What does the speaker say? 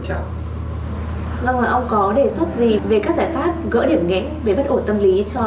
vâng ạ ông có đề xuất gì về các giải pháp gỡ điểm nghỉ